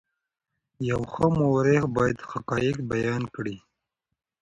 یو ښه مورخ باید حقایق بیان کړي.